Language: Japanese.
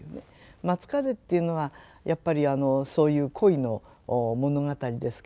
「松風」っていうのはやっぱりそういう恋の物語ですけれども。